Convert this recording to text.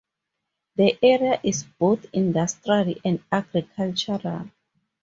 The area is both industrial and agricultural.